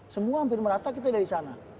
semua hampir merata kita dari sana